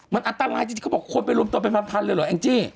มันอันตรายจริงเขาบอกคนไปรวมตัวเป็นพันเลยเหรอแองจี้